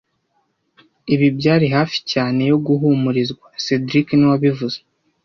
Ibi byari hafi cyane yo guhumurizwa cedric niwe wabivuze